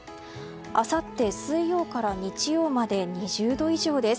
あさって水曜から日曜まで２０度以上です。